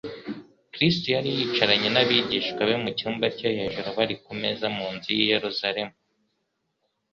Kristo yari yicaranye n'abigishwa be mu cyumba cyo hejuru bari ku meza mu nzu y'i Yerusalemu'.